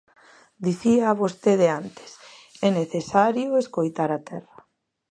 Dicía vostede antes: é necesario escoitar a terra.